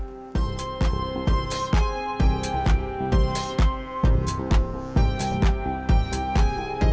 tidak itu berhasil